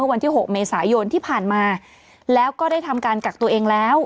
วันที่๖เมษายนที่ผ่านมาแล้วก็ได้ทำการกักตัวเองแล้ว